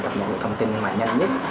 cập nhận được thông tin nhanh nhất